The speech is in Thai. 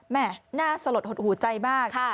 แม่น่าสลดหดหูใจมาก